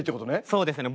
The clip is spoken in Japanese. そうですね。